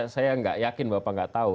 saya tidak yakin bapak tidak tahu